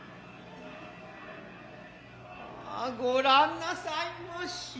まあ御覧なさいまし。